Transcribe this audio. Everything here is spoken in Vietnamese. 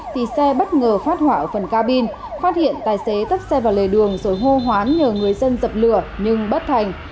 thì xe bất ngờ phát hỏa ở phần ca bin phát hiện tài xế tấp xe vào lề đường rồi hô hoán nhờ người dân dập lửa nhưng bất thành